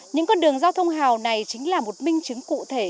những con đường giao thông hào này chính là một minh chứng cụ thể